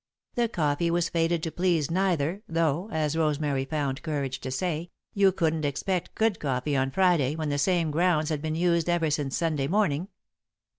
The coffee was fated to please neither, though, as Rosemary found courage to say, you couldn't expect good coffee on Friday when the same grounds had been used ever since Sunday morning.